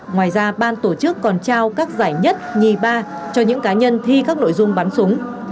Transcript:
ngoài ra ban tổ chức còn trao các giải nhất nhì ba cho những cá nhân thi các nội dung bắn súng